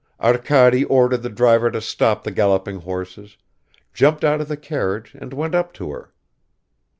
Arkady ordered the driver to stop the galloping horses, jumped out of the carriage and went up to her.